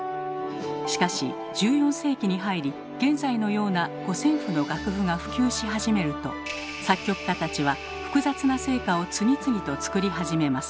しかし１４世紀に入り現在のような五線譜の楽譜が普及し始めると作曲家たちは複雑な聖歌を次々と作り始めます。